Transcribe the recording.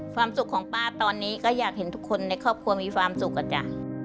ความสุขของป้าตอนนี้ก็อยากเห็นทุกคนในครอบครัวมีความสุขอะจ้ะ